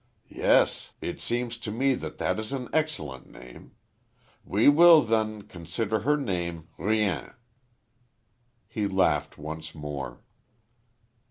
"Yes, it seems to me that that is an excellent name.... We will, then, consider her name Rien." He laughed once more.